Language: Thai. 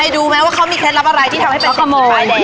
ไปดูมั้ยว่ามีเคล็ดลับอะไรที่ทำให้เขาขำลอย